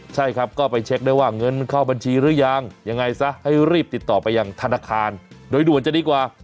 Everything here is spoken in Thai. ใช่ครับก็ไปเช็คได้ว่าเงินเข้าบัญชีหรือยังยังไงซะให้รีบติดต่อไปยังธนาคารโดยด่วนจะดีกว่า